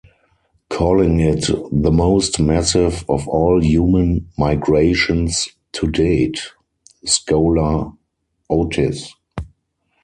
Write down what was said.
Calling it the "most massive of all human migrations to date," scholar Otis.